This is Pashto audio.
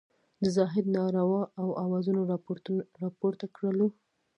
د زاهدي نارو او اوازونو راپورته کړلو.